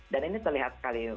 dan ini terlihat sekali ya